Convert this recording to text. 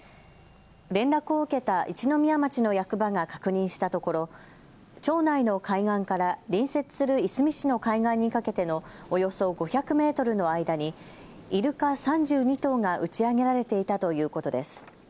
連絡を受けた一宮町の役場が確認したところ、町内の海岸から隣接するいすみ市の海岸にかけてのおよそ５００メートルの間にイルカ３２頭が打ち上げられていたということです。